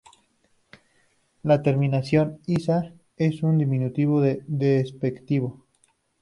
La terminación "-iza" es un diminutivo despectivo.